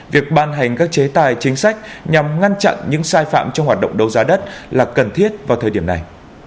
việc ban hành các chế tài chính sách nhằm ngăn chặn những sai phạm trong hoạt động đấu giá đất là cần thiết vào thời điểm này